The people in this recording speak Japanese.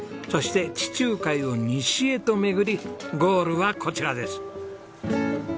そして地中海を西へと巡りゴールはこちらです。